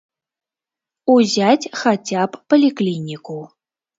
Узяць хаця б паліклініку.